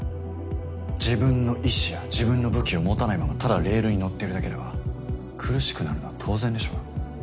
自分の意志や自分の武器を持たないままただレールに乗ってるだけでは苦しくなるのは当然でしょう。